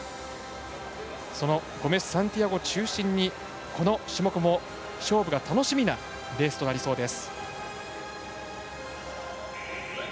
そのゴメスサンティアゴこの種目も、勝負が楽しみなレースとなりそうです。